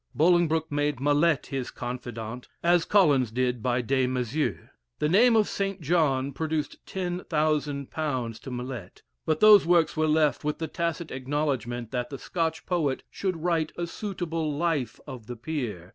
Bolingbroke made Mallet his confidant, as Collins did by Des Maizeaux. The name of St. John produced £10,000 to Mallet; but those works were left with the tacit acknowledge ment that the Scotch poet should write a suitable life of the peer.